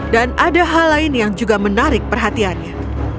dan ada hal lain yang juga menarik perhatiannya